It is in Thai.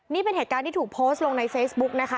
นี่เป็นเหตุการณ์ที่ถูกโพสต์ลงในเฟซบุ๊กนะคะ